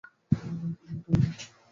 না, না, মোটেও না।